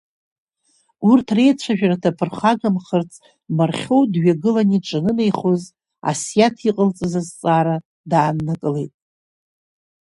Урҭ реицәажәара даԥырхагамхарц Мархьоу дҩагылан иҿанынеихоз, Асиаҭ иҟалҵаз азҵаара дааннакылеит.